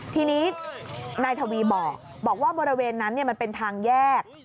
ทีนี้นายทวีบอกว่าบริเวณนั้นมันเป็นทางแยก